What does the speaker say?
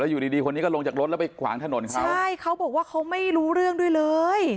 อยู่ดีดีคนนี้ก็ลงจากรถแล้วไปขวางถนนเขาใช่เขาบอกว่าเขาไม่รู้เรื่องด้วยเลย